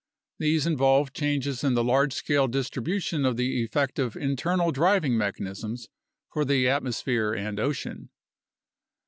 These involve changes in the large scale distribution of the effective internal driving mechanisms for the atmosphere and ocean.